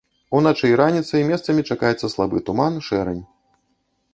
Уначы і раніцай месцамі чакаецца слабы туман, шэрань.